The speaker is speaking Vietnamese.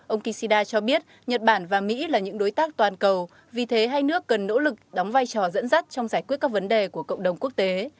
ông kishida cho biết nhật bản và mỹ là những đối tác toàn cầu vì thế hai nước cần nỗ lực đóng vai trò dẫn dắt trong giải quyết các vấn đề của cộng đồng quốc tế